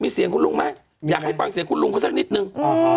มีเสียงคุณลุงไหมอยากให้ฟังเสียงคุณลุงเขาสักนิดนึง